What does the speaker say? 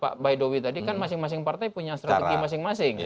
pak baidowi tadi kan masing masing partai punya strategi masing masing